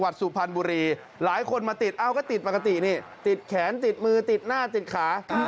โดยที่ตุกให้ติดปกติติดแขนติดมือติดหน้าติดขา